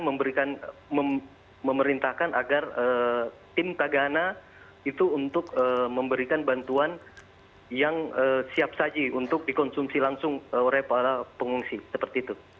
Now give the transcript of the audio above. memerintahkan agar tim tagana itu untuk memberikan bantuan yang siap saji untuk dikonsumsi langsung oleh para pengungsi seperti itu